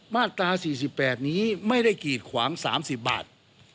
มาตรา๔๘นี้ไม่ได้กีดขวาง๓๐บาท